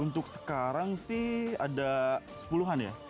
untuk sekarang sih ada sepuluhan ya